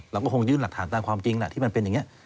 เราก็คงยื่นหลักฐานตามความจริงแหละที่มันเป็นอย่างนี้